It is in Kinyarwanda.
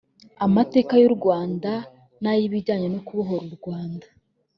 Amateka y’u Rwanda n’ay’ibijyanye no kubohora u Rwanda